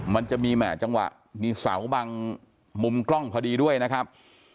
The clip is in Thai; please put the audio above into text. มันจะมีแห่จังหวะมีเสาบางมุมกล้องพอดีด้วยนะครับ